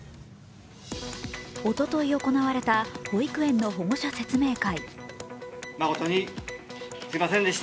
おととい行われた保育園の保護者説明会。